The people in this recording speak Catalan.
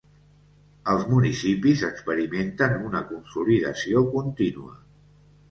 Els municipis experimenten una consolidació contínua.